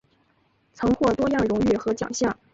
曾获多样荣誉和奖项。